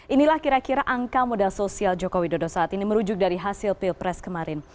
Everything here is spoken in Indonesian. inilah kira kira angka modal sosial jokowi dodo saat ini merujuk dari hasil pilpres kemarin